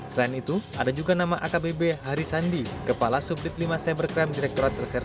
selain itu ada juga nama akbb hari sandi kepala subdit lima cybercrime direkturat reserse